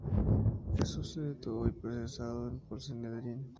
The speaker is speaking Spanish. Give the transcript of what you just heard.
Jesús se detuvo y procesado por el Sanedrín.